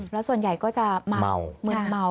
แล้วส่วนใหญ่ก็จะเมามึนเมา